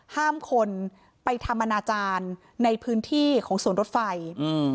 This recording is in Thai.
ห้ามคนไปทำอนาจารย์ในพื้นที่ของสวนรถไฟอืม